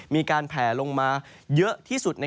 มีการแผลลงมาเยอะที่สุด